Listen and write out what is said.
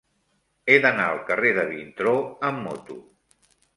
He d'anar al carrer de Vintró amb moto.